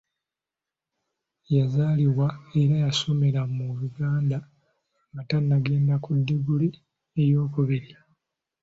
Yazaalibwa era yasomera mu Uganda nga tannagenda ku ddiguli eyokubiri.